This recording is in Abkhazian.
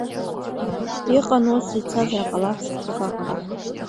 Иҟан ус, ицазар ҟалап шықәсык аҟара.